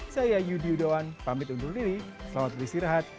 saya yudi yudawan pamit undur diri selamat beristirahat